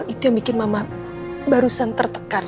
itu yang bikin mama barusan tertekan